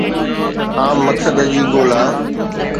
عام مقصد جي ڳولا